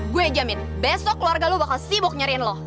gue jamin besok keluarga lo bakal sibuk nyariin lo